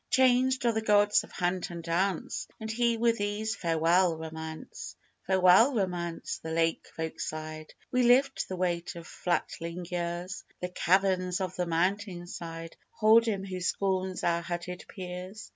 Changed are the Gods of Hunt and Dance, And he with these. Farewell, Romance!" "Farewell, Romance!" the Lake folk sighed; "We lift the weight of flatling years; The caverns of the mountain side Hold him who scorns our hutted piers.